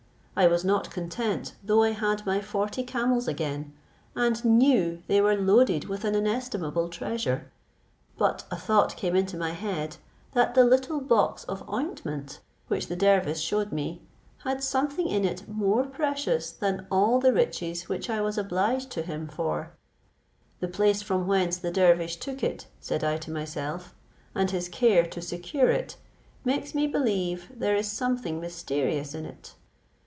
I was not content, though I had my forty camels again, and knew they were loaded with an inestimable treasure. But a thought came into my head, that the little box of ointment which the dervish shewed me had something in it more precious than all the riches which I was obliged to him for: the place from whence the dervish took it, said I to myself, and his care to secure it, makes me believe there is something mysterious in it.